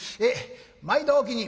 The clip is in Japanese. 毎度おおきに！」。